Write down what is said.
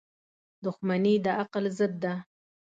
• دښمني د عقل ضد ده.